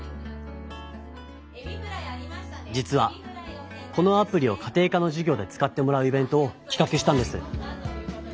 実はこのアプリを家庭科のじゅ業で使ってもらうイベントを企画したんです。